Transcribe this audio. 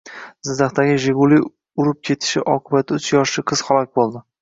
Jizzaxda Jiguli urib ketishi oqibatidauchyoshli qiz halok bo‘ldi